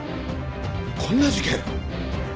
「こんな事件」？